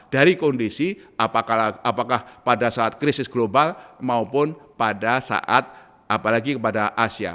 dari kondisi apakah pada saat krisis global maupun pada saat apalagi kepada asia